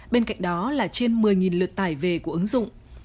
bên cạnh đó là trên một mươi lượt tải về của ứng dụng